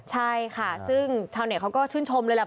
ใช่ค่ะซึ่งชาวเน็ตเขาก็ชื่นชมเลยแหละ